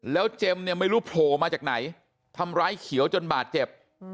แล้วเจมส์เนี่ยไม่รู้โผล่มาจากไหนทำร้ายเขียวจนบาดเจ็บ